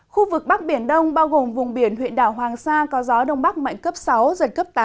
khu vực bắc biển đông bao gồm vùng biển huyện đảo hoàng sa có gió đông bắc mạnh cấp sáu giật cấp tám